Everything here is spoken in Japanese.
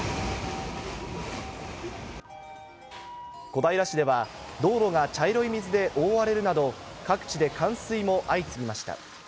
小平市では、道路が茶色い水で覆われるなど、各地で冠水も相次ぎました。